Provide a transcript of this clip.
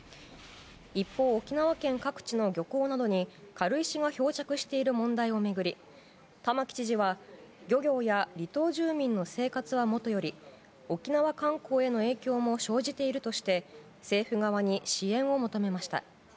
一方、沖縄県各地の漁港などに軽石が漂着している問題を巡り玉城知事は漁業や離島住民の生活はもとより沖縄観光への影響も生じているとして政府側に支援を求めました。